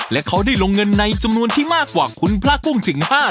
และเขาได้ลงเงินในจำนวนที่มากกว่าคุณพระกุ้งถึง๕๐๐